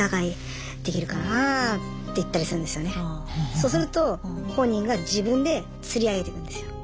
そうすると本人が自分でつり上げていくんですよ。